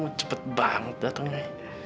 mau cepet banget datengnya